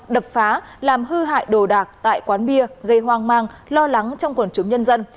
đập phá làm hư hại đồ đạc tại quán bia gây hoang mang lo lắng trong quần chúng nhân dân